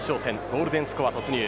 ゴールデンスコア突入。